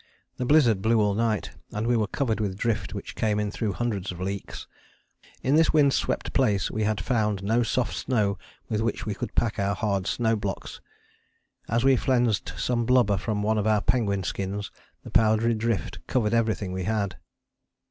The blizzard blew all night, and we were covered with drift which came in through hundreds of leaks: in this wind swept place we had found no soft snow with which we could pack our hard snow blocks. As we flensed some blubber from one of our penguin skins the powdery drift covered everything we had.